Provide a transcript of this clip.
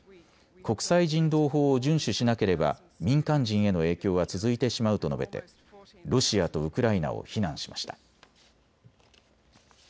国際人道法を順守しなければ民間人への影響は続いてしまうと述べてロシアとウクライナを非難しました。